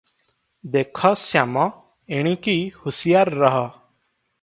"ଦେଖ ଶ୍ୟାମ, ଏଣିକି ହୁସିଆର ରହ